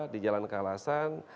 di jalan kalasan